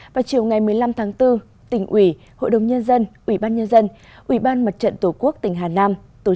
vào chiều ngày một mươi năm tháng bốn tỉnh ủy hội đồng nhân dân ủy ban nhân dân ủy ban mặt trận tổ quốc tỉnh hà nam